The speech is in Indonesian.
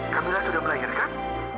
kamila sudah melahirkan